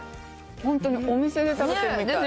本当にお店で食べてるみたい。